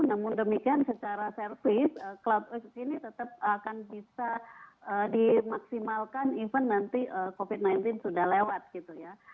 namun demikian secara service club ini tetap akan bisa dimaksimalkan even nanti covid sembilan belas sudah lewat gitu ya